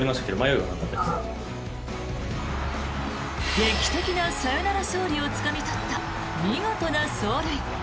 劇的なサヨナラ勝利をつかみ取った見事な走塁。